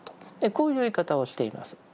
こういう言い方をしています。